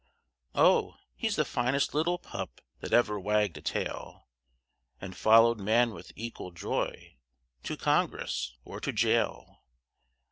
Oh, he's the finest little pup that ever wagged a tail, And followed man with equal joy to Congress or to jail.